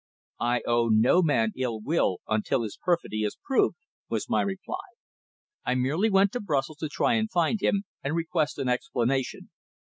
"I owe no man ill will until his perfidy is proved," was my reply. "I merely went to Brussels to try and find him and request an explanation.